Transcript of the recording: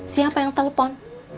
siapa yang telepon